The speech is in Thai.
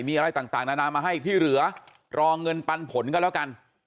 มีอะไรต่างนานามาให้ที่เหลือรอเงินปันผลก็แล้วกัน